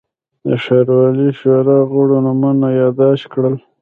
د ښاروالۍ شورا غړو نومونه یاداشت کړل.